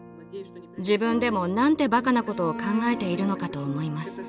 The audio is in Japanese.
自分でも何てバカなことを考えているのかと思います。